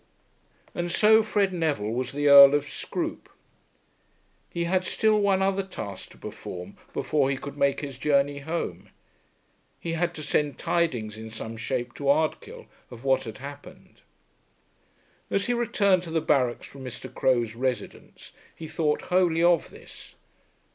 And so Fred Neville was the Earl of Scroope. He had still one other task to perform before he could make his journey home. He had to send tidings in some shape to Ardkill of what had happened. As he returned to the barracks from Mr. Crowe's residence he thought wholly of this.